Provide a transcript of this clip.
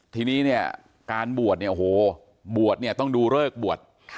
ทีนี้เนี่ยการบวชเนี่ยโอ้โหบวชเนี่ยต้องดูเลิกบวช